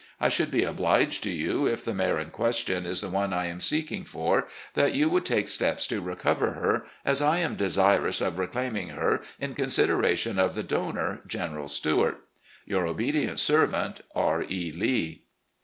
I should be obliged to you, if the mare in FAMILY AFFAIRS 251 question is the one I am seeking for, that you would take steps to recover her, as I am desirous of reclaiming her in consideration of the donor. General Sttiart. " Your obedient servant, R. E. Lee."